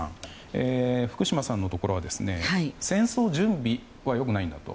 福島さんのところは戦争準備は良くないんだと。